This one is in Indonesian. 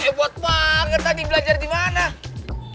hebot banget tadi belajar di mana